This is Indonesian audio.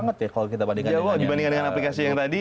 jauh banget ya kalau kita bandingkan dengan aplikasi yang tadi